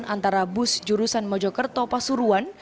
antara bus jurusan mojokerto pasuruan